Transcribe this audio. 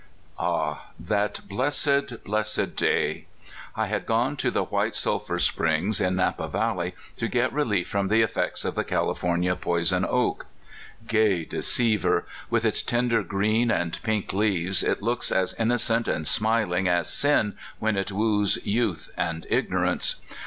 AH, that blessed, blessed day! I had gone to the White Sulphur Springs, in Napa County, to get relief from the effects of the California poi son oak. Gay deceiver! With its tender green and pink leaves, it looks as innocent and smiling as sin when it woos youth and ignorance.